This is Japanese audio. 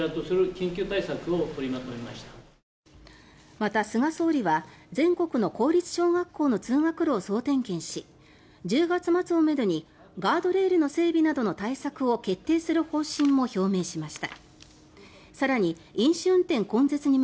また、菅総理は全国の公立小学校の通学路を総点検し１０月末をめどにガードレールの整備などの対策を決定する方針も表明しました。